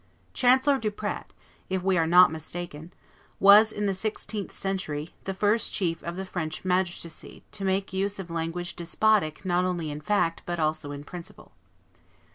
Chancellor Duprat, if we are not mistaken, was, in the sixteenth century, the first chief of the French magistracy to make use of language despotic not only in fact, but also in principle.